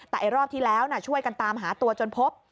แต่รอบที่แล้วช่วยกันตามหาตัวจนพบ